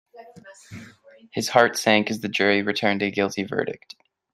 His heart sank as the jury returned a guilty verdict.